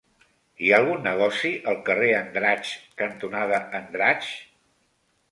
Hi ha algun negoci al carrer Andratx cantonada Andratx?